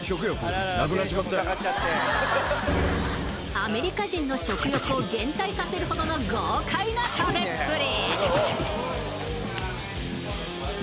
アメリカ人の食欲を減退させるほどの豪快な食べっぷり